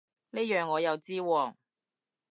呢樣我又知喎